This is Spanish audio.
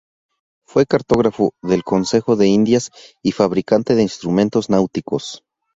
Fue cartógrafo del Consejo de Indias y fabricante de instrumentos náuticos.